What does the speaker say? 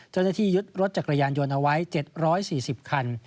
เจ้าหน้าที่ยึดรถจักรยานยนต์เอาไว้๗๔๐คัน